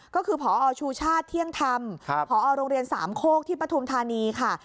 ก็คือพอชูชาติเที่ยงธรรมพอโรงเรียนสามโคกที่ปฐุมธานีค่ะ